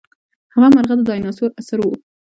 هغه مرغه د ډاینسور عصر وو.